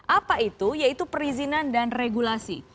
apa itu yaitu perizinan dan regulasi